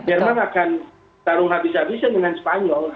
jerman akan taruh habis habisan dengan spanyol